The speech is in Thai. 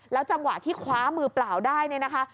จังหวะที่คว้ามือเปล่าได้เนี่ยนะคะ